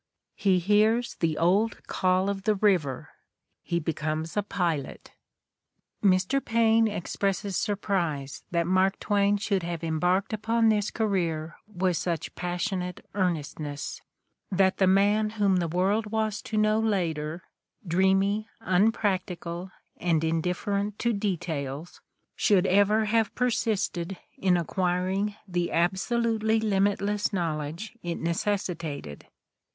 He hears "the old call of the river." He becomes a pilot. Mr. Paine expresses surprise that Mark Twain should have embarked upon this career with such passionate earnestness, that the man whom the world was to know later — "dreamy, unpractical, and indifferent to details" — should ever have persisted in acquiring the "abso lutely limitless" knowledge it necessitated.